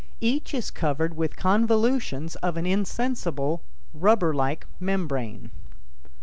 Each is covered with convolutions of an insensible, rubber like membrane.